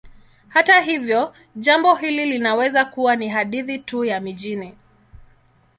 Hata hivyo, jambo hili linaweza kuwa ni hadithi tu ya mijini.